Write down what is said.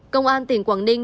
công an tỉnh quảng ninh